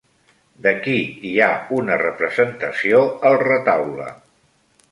De qui hi ha una representació al retaule?